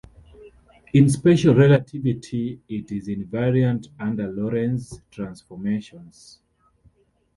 In special relativity it is invariant under Lorentz transformations.